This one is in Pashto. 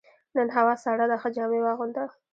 نن هوا سړه ده، ښه جامې واغونده.